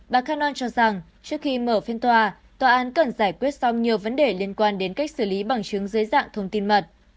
bà canon cho rằng trước khi mở phiên tòa tòa án cần giải quyết xong nhiều vấn đề liên quan đến cách xử lý bằng chứng dưới dạng thông tin mật